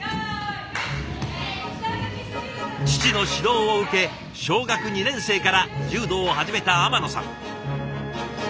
父の指導を受け小学２年生から柔道を始めた天野さん。